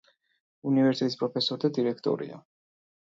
უნივერსიტეტის პროფესორი და დირექტორია.